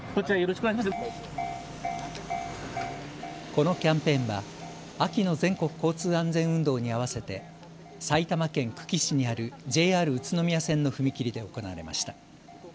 このキャンペーンは秋の全国交通安全運動に合わせて埼玉県久喜市にあるＪＲ宇都宮線の踏切で行われました。